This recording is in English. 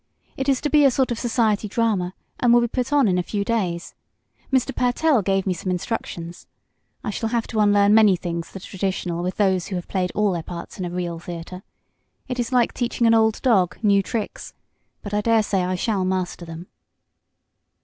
It is to be a sort of society drama, and will be put on in a few days. Mr. Pertell gave me some instructions. I shall have to unlearn many things that are traditional with those who have played all their parts in a real theatre. It is like teaching an old dog new tricks, but I dare say I shall master them."